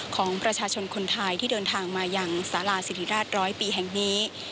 ของประชาชนคนไทยที่เดินทางมายังสาราสิริราชร้อยปีแห่งนี้